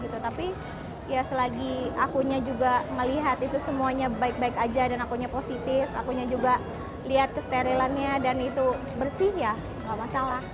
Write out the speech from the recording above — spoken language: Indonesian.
tapi ya selagi akunya juga melihat itu semuanya baik baik aja dan akunya positif akunya juga lihat kesterilannya dan itu bersih ya nggak masalah